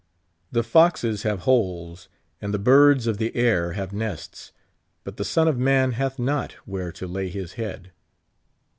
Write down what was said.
" The foxes have holes, and the birds of the air have nests, but the Son of man hath not where to lay his head."